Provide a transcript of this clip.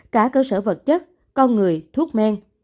cả cơ sở vật chất con người thuốc men